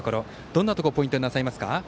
どんなところをポイントになさいますか。